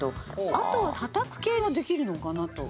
あとはたたく系はできるのかなと。